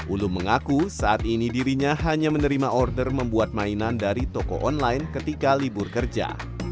ulum mengaku saat ini dirinya hanya menerima order membuat mainan dari toko online ketika libur kerja